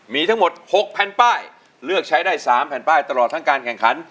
มีทั้งหมด๖แผ่นป้ายเลือกใช้ได้๓แผ่นป้ายตลอดทั้งการแข่งขัน